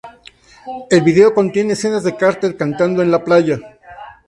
El vídeo contiene escenas de Carter cantando en la playa.